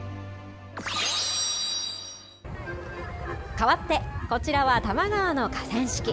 かわってこちらは多摩川の河川敷。